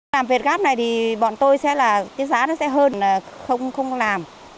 làm việt gáp này thì bọn tôi sẽ là cái giá nó sẽ hơn là không làm